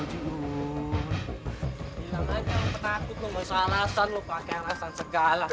bilang aja lo penakut lo masalah asal lo pakai alasan segala